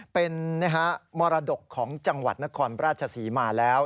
เป็นมรดกของจังหวัดนครราชศรีมาแล้ว